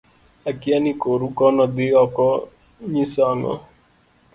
akia ni koru kono dhi oko onyiso ang'o